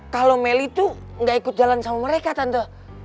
kalau meli tuh gak ikut jalan sama mereka tante